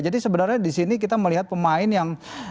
jadi sebenarnya di sini kita melihat pemain yang